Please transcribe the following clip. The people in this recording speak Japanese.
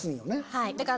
はい。